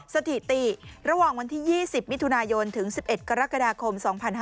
สถิติระหว่างวันที่๒๐มิถุนายนถึง๑๑กรกฎาคม๒๕๕๙